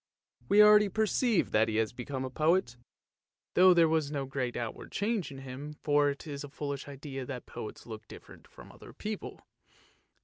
" We already perceive that he has become a poet, though there was no great outward change in him, for it is a foolish idea that poets look different from other people.